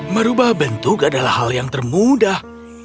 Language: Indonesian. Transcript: merubah bentuk adalah hal yang termudah